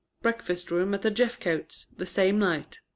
Breakfast room at the Jeffcotes'. The same night.